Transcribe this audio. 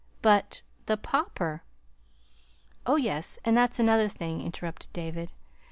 "But the Pauper " "Oh, yes, and that's another thing," interrupted David.